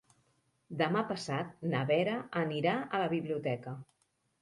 Demà passat na Vera anirà a la biblioteca.